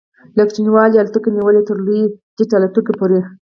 له کوچنیو الوتکو نیولې تر لویو جيټ الوتکو پورې